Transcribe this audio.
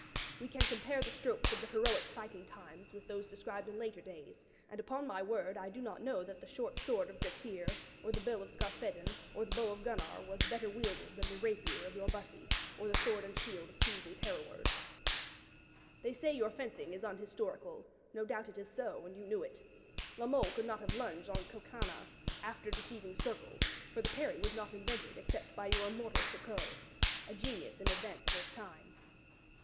We can compare the strokes of the heroic fighting times with those described in later days; and, upon my word, I do not know that the short sword of Gretir, or the bill of Skarphedin, or the bow of Gunnar was better wielded than the rapier of your Bussy or the sword and shield of Kingsley's Hereward. They say your fencing is unhistorical; no doubt it is so, and you knew it. La Mole could not have lunged on Coconnas 'after deceiving circle;' for the parry was not invented except by your immortal Chicot, a genius in advance of his time.